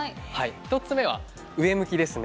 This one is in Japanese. １つ目は上向きですね。